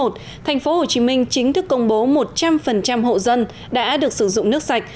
thành phố hồ chí minh chính thức công bố một trăm linh hộ dân đã được sử dụng nước sạch